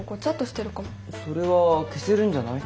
それは消せるんじゃない？